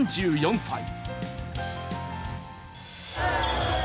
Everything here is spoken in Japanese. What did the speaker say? ３４歳。